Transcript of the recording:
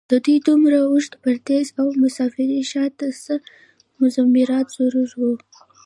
د دوي دومره اوږد پرديس او مسافرۍ شا ته څۀ مضمرات ضرور وو